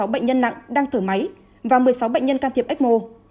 hai bảy trăm ba mươi sáu bệnh nhân nặng đang thử máy và một mươi sáu bệnh nhân can thiệp ecmo